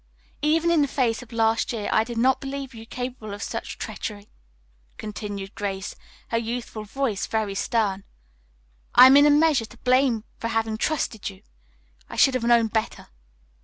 "Even in the face of last year I did not believe you capable of such treachery," continued Grace, her youthful voice very stern. "I am in a measure to blame for having trusted you. I should have known better."